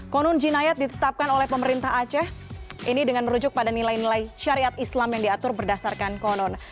konun jinayat ditetapkan oleh pemerintah aceh ini dengan merujuk pada nilai nilai syariat islam yang diatur berdasarkan konon